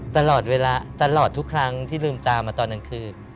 ตลอดเวลาตลอดทุกครั้งที่ลืมตามาตอนกลางคืน